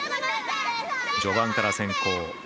序盤から先行。